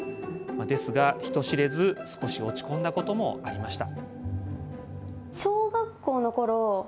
ですが、人知れず、少し落ち込んだこともありました。